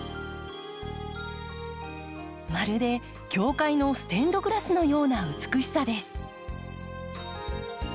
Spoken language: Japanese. まるで教会のステンドグラスのような美しさです。